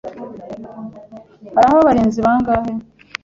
Hariho abarinzi bangahe?